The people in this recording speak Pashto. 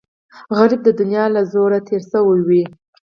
غریب د دنیا له زوره تېر شوی وي